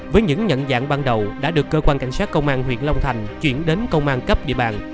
với những nhận dạng ban đầu đã được cơ quan cảnh sát công an huyện long thành chuyển đến công an cấp địa bàn